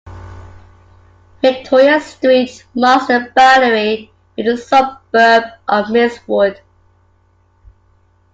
Victoria Street marks the boundary with the suburb of Millswood.